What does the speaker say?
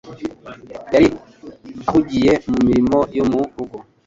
Yari ahugiye mu mirimo yo mu rugo